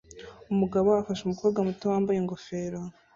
Umugabo afashe umukobwa muto wambaye ingofero